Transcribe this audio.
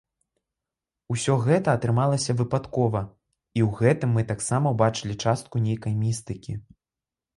Усё гэта атрымалася выпадкова, і ў гэтым мы таксама ўбачылі частку нейкай містыкі.